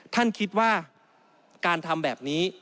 ท่านคิดว่าการทำแบบนี้